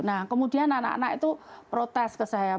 nah kemudian anak anak itu protes ke saya